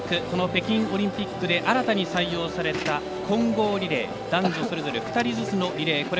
この北京オリンピックで新たに採用された混合リレー男女それぞれ２人ずつのリレー。